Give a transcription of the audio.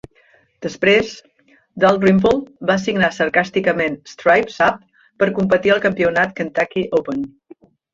Després, Dalrymple va signar sarcàsticament Stripes up per competir al campionat Kentucky Open.